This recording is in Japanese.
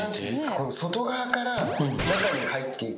この外側から中に入っていく。